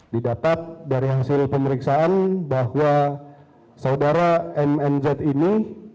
didapat dari hasil pemeriksaan bahwa saudara mmz ini